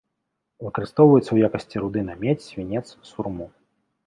Выкарыстоўваецца ў якасці руды на медзь, свінец, сурму.